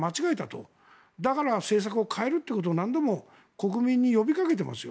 だから政策を変えるということを何度も国民に呼びかけてましたよ。